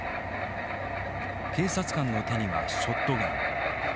警察官の手にはショットガン。